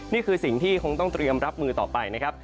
นี่คือสิ่งที่คงต้องเตรียมรับมือต่อไปนะครับ